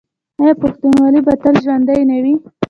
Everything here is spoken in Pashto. آیا پښتونولي به تل ژوندي نه وي؟